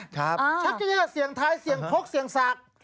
ชักเกะเยอร์เสียงท้ายเสียงคกเสียงสาก